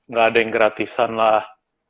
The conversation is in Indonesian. nggak ada yang gratisan lah